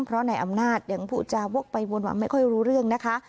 เพราะในอำนาจอย่างผู้จาววกไปวนหวังไม่ค่อยรู้เรื่องนะคะ